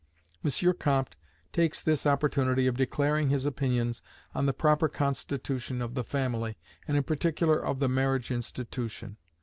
M. Comte takes this opportunity of declaring his opinions on the proper constitution of the family, and in particular of the marriage institution.